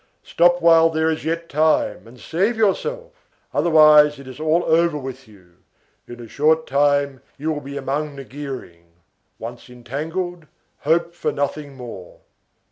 Stop while there is yet time, and save yourself! Otherwise, it is all over with you; in a short time you will be among the gearing. Once entangled, hope for nothing more.